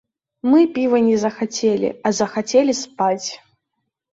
Мы піва не захацелі, а захацелі спаць.